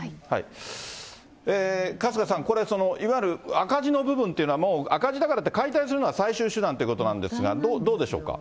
春日さん、これ、そのいわゆる赤字の部分っていうのは、もう赤字だからって解体するのは最終手段ということなんですが、どうでしょうか。